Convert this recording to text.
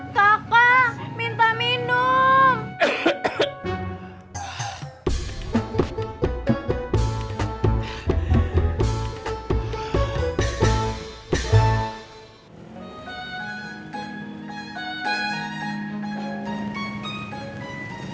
kakak minta minum